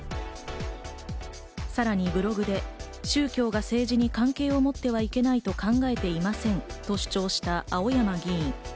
さらにブログで、宗教が政治に関係を持ってはいけないと考えていませんと主張した青山議員。